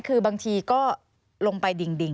คือบางทีก็ลงไปดิ่ง